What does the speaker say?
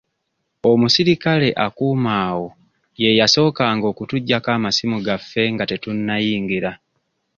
Omusirikale akuuma wo ye yasookanga okutuggyako amasimu gaffe nga tetunnayingira.